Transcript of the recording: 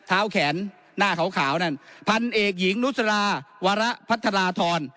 แขนหน้าขาวนั่นพันเอกหญิงนุษราวาระพัทร